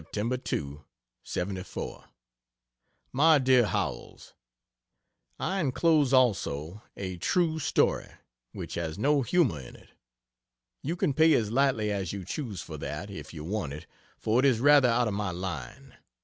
2, '74. MY DEAR HOWELLS, .....I enclose also a "True Story" which has no humor in it. You can pay as lightly as you choose for that, if you want it, for it is rather out of my line.